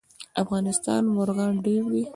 د افغانستان مرغان ډیر دي